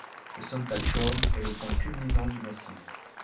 Le Sonntagshorn est le point culminant du massif.